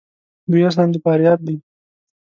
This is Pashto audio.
دوی اصلاُ د فاریاب دي.